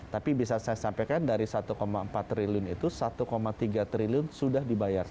tapi bisa saya sampaikan dari satu empat triliun itu satu tiga triliun sudah dibayar